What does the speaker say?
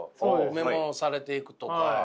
メモされていくとか。